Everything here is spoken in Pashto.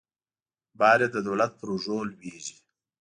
بار یې د دولت پر اوږو لویږي.